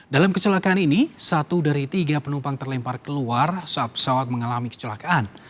dalam kecelakaan ini satu dari tiga penumpang terlempar keluar saat pesawat mengalami kecelakaan